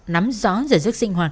nắm rõ giới sức sinh hoạt